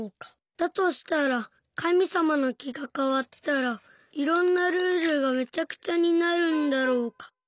だとしたらかみさまのきがかわったらいろんなルールがめちゃくちゃになるんだろうか。